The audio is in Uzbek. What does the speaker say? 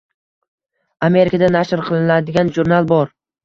Amerikada nashr qilinadigan jurnal bor